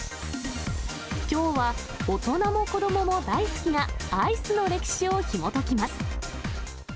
きょうは大人も子どもも大好きなアイスの歴史をひもときます。